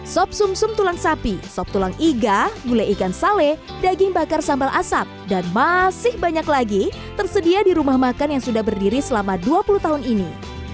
sop sum sum tulang sapi sop tulang iga gulai ikan sale daging bakar sambal asap dan masih banyak lagi tersedia di rumah makan yang sudah berdiri selama dua puluh tahun ini